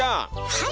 はい！